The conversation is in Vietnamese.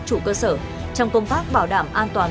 chủ cơ sở trong công tác bảo đảm an toàn